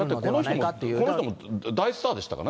だって、この人も大スターでしたからね。